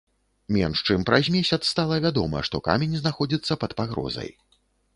Менш чым праз месяц стала вядома, што камень знаходзіцца пад пагрозай.